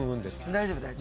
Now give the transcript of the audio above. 大丈夫。